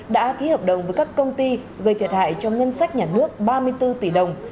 đã ký hợp đồng với các công ty gây thiệt hại cho ngân sách nhà nước ba mươi bốn tỷ đồng